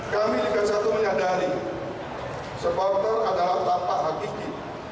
kami liga satu menyadari supporter adalah tampak hakiki